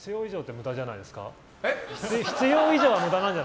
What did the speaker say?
無駄じゃないです。